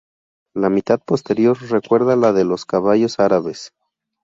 La mitad posterior recuerda la de los caballos árabes.